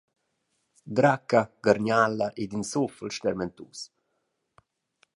Dracca, garniala ed in suffel stermentus.